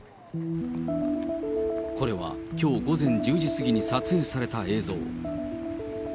これはきょう午前１０時過ぎに撮影された映像。